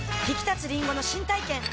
ひきたつりんごの新体験